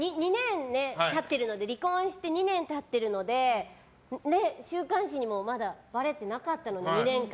離婚して２年経っているので週刊誌にもまだばれてなかったので、２年間。